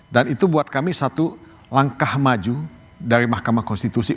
dan itu buat kami satu langkah maju dari mahkamah konstitusi